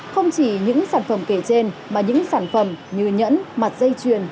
không chỉ những sản phẩm kể trên mà những sản phẩm như nhẫn mặt dây chuyền